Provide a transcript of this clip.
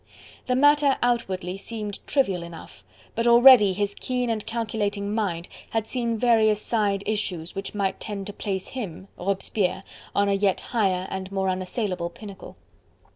The matter outwardly seemed trivial enough, but already his keen and calculating mind had seen various side issues which might tend to place him Robespierre on a yet higher and more unassailable pinnacle.